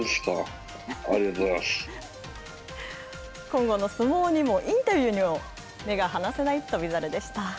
今後の相撲にも、インタビューにも、目が離せない翔猿でした。